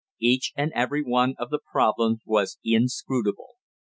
Each and every one of the problems was inscrutable.